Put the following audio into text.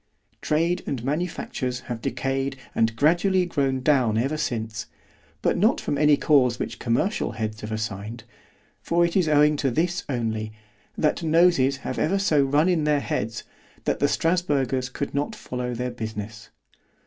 Trade and manufactures have decayed and gradually grown down ever since—but not from any cause which commercial heads have assigned; for it is owing to this only, that Noses have ever so run in their heads, that the Strasburgers could not follow their business.